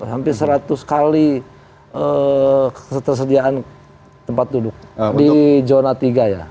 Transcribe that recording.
hampir seratus kali ketersediaan tempat duduk di zona tiga ya